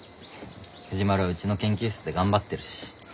藤丸うちの研究室で頑張ってるし。